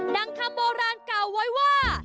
ดังคำโบราณเก่าว่า